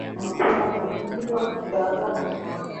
Amenunua Kidagaa.